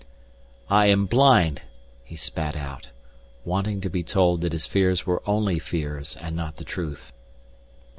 "I am blind," he spat out, wanting to be told that his fears were only fears and not the truth.